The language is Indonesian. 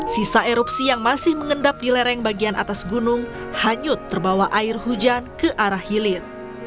sisa erupsi yang masih mengendap di lereng bagian atas gunung hanyut terbawa air hujan ke arah hilir